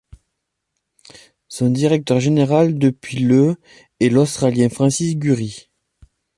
Son directeur général depuis le est l'Australien Francis Gurry.